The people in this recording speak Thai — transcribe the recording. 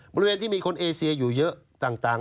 บริเวณที่มีคนเอเซียอยู่เยอะต่าง